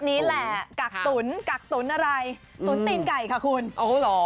ไม่ได้กักตุ๋นอะไรเลยนะครับ